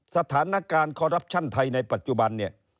สถานการณ์คอรัปชั่นไทยในปัจจุบันเนี่ย